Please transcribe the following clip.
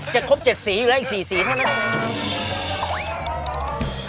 จะครบ๗สีแล้วอีก๔สีเท่านั้น